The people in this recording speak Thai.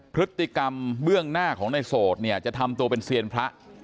พฤติกรรมเบื้องหน้าของในโสดเนี่ยจะทำตัวเป็นเซียนพระ